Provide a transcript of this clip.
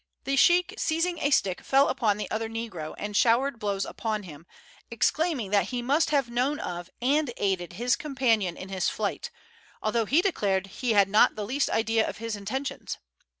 The sheik seizing a stick fell upon the other negro and showered blows upon him, exclaiming that he must have known of and aided his companion in his flight, although he declared he had not the least idea of his intentions.